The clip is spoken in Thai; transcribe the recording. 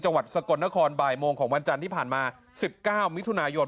จังหวัดสกลนครบ่ายโมงของวันจันทร์ที่ผ่านมา๑๙มิถุนายน